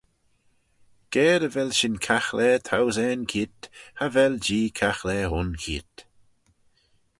Ga dy vel shin caghlaa thousane keayrt, cha vel Jee caghlaa un cheayrt.